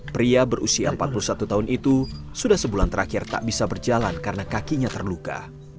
pria berusia empat puluh satu tahun itu sudah sebulan terakhir tak bisa berjalan karena kakinya terluka